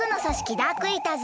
ダークイーターズ